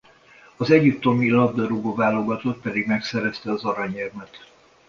Az Egyiptomi labdarúgó-válogatott pedig megszerezte az aranyérmet.